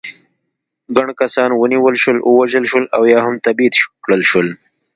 ګڼ کسان ونیول شول، ووژل شول او یا هم تبعید کړل شول.